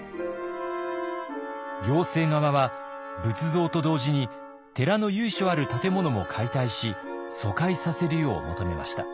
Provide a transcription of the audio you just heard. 行政側は仏像と同時に寺の由緒ある建物も解体し疎開させるよう求めました。